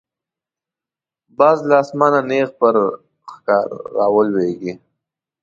باز له آسمانه نیغ پر ښکار را لویږي